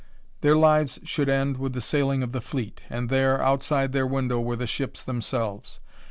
Their lives should end with the sailing of the fleet, and there, outside their window, were the ships themselves.